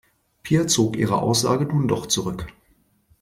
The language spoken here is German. Pia zog ihre Aussage nun doch zurück.